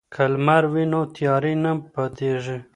که لمر وي نو تیارې نه پاتیږي.